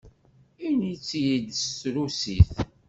Ini-tt-id s trusit!